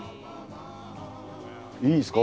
いいっすか？